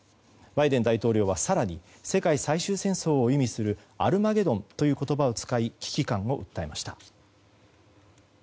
バイデン大統領は更に世界最終戦争を意味するアルマゲドンという言葉を使い危機感を訴えました。